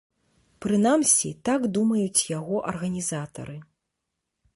Прынамсі, так думаюць яго арганізатары.